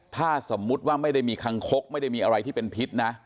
ถ้าสมมุติว่าไม่ได้มีคังคกไม่ได้มีอะไรที่เป็นพิษนะ